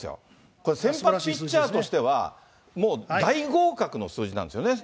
これ、先発ピッチャーとしては、もう、大合格の数字なんですよね。